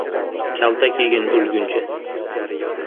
Kaltak yegin o'lguncha.